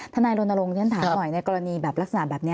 ท่านนายโรนโลงท่านถามหน่อยในกรณีแบบลักษณะแบบนี้